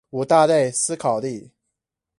五大類思考力